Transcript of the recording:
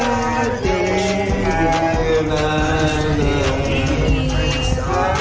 คุณมาทำเค้กนะ